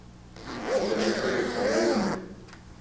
Ils avaient fait le travail eux-mêmes.